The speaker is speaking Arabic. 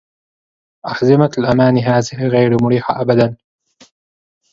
أحزمة الأمان هذه غير مريحة أبداً.